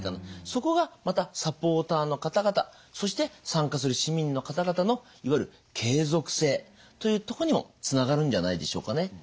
そこがまたサポーターの方々そして参加する市民の方々のいわゆる継続性というとこにもつながるんじゃないでしょうかね。